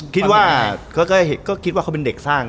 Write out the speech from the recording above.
คิดว่าก็คิดว่าเขาเป็นเด็กสร้าง